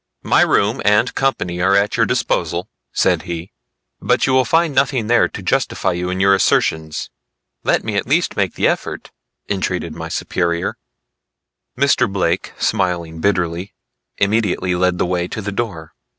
"My room and company are at your disposal," said he, "but you will find nothing there to justify you in your assertions." "Let me at least make the effort," entreated my superior. Mr. Blake smiling bitterly immediately led the way to the door.